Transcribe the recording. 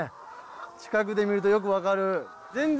近くで見るとよく分かる。